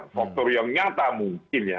faktor yang nyata mungkin ya